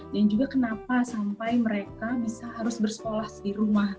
dan juga kenapa sampai mereka bisa harus bersekolah di rumah